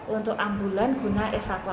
untuk ambulan guna evakuasi